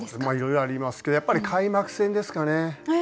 まあいろいろありますけどやっぱり開幕戦ですかね。